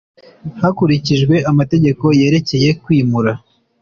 hakurikijwe amategeko yerekeye kwimura